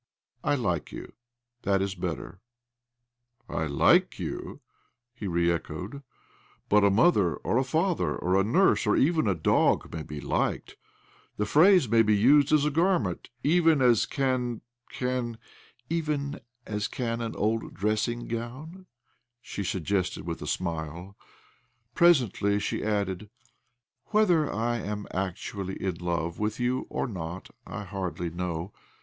I like you : that is better." "' I like you '?" he re echoed. " But a mother or a father or a nurse or even a dog may be liked : the phrase may be used as a garment, even as can, can "" Even as can an old dressing gown," she suggested with a smile. Presently she added— " Whether I am actually in love with you or not I hardly know.